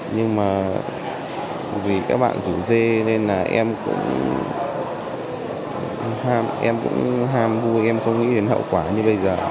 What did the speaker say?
nhưng mà vì các bạn rủ dê nên là em cũng ham vui em không nghĩ đến hậu quả như bây giờ